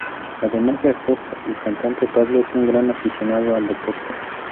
Además de actor y cantante, Pablo es un gran aficionado al deporte.